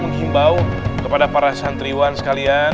menghimbau kepada para santriwan sekalian